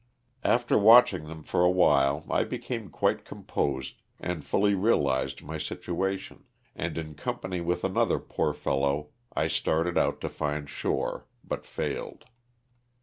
After watching them for awhile I became quite composed and fully realized my situation, and in company with another poor fellow I started out to find shore but failed.